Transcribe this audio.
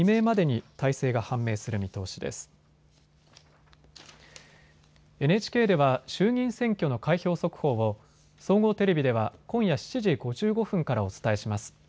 ＮＨＫでは衆議院選挙の開票速報を総合テレビでは今夜７時５５分からお伝えします。